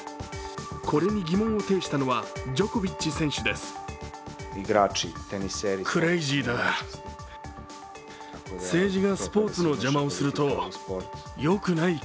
これに疑問を呈したのはジョコビッチ選手です。